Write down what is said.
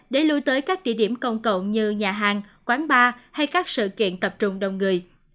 để lùi tới các địa điểm công cộng như nhà hàng quán bar hay các sự kiện tập trung đông người